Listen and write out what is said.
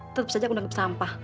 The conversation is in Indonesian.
tetap saja aku nangkep sampah